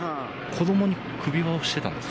子どもに首輪をしてたんですか？